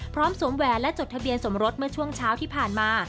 สวมแหวนและจดทะเบียนสมรสเมื่อช่วงเช้าที่ผ่านมา